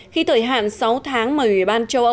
khi thời hạn sáu tháng mà ủy ban châu âu